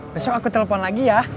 besok aku telepon lagi ya